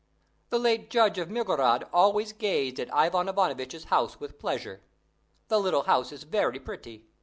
The late judge of Mirgorod always gazed at Ivan Ivanovitch's house with pleasure. The little house is very pretty.